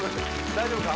大丈夫か？